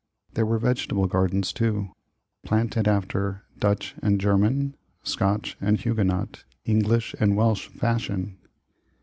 There were vegetable gardens, too, planted after Dutch and German, Scotch and Huguenot, Eng lish and "Welsh fashion.